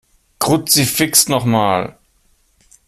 Kruzifix noch mal!